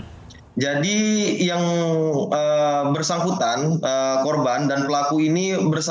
sebelum ditemukan tewas dalam rekaman cctv di ruko terlihat korban sempat bertemu dengan pelaku pada jumat sembilan belas april